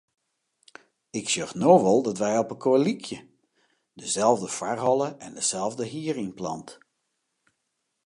Ik sjoch no wol dat wy opelkoar lykje; deselde foarholle en deselde hierynplant.